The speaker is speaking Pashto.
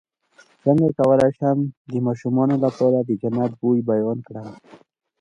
څنګه کولی شم د ماشومانو لپاره د جنت د بوی بیان کړم